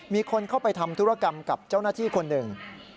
มีคนเข้าไปทำธุรกรรมกับเจ้าหน้าที่คนหนึ่ง